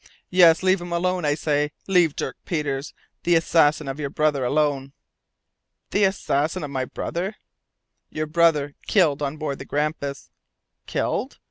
"Yes, leave him alone, I say; leave Dirk Peters, the assassin of your brother, alone." "The assassin of my brother!" "Your brother, killed on board the Grampus " "Killed!